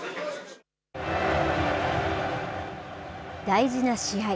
大事な試合。